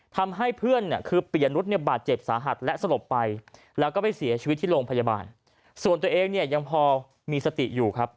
ทำให้เพื่อนเนี่ยคือปียนุษยเนี่ยบาดเจ็บสาหัสและสลบไปแล้วก็ไปเสียชีวิตที่โรงพยาบาลส่วนตัวเองเนี่ยยังพอมีสติอยู่ครับ